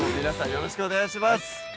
よろしくお願いします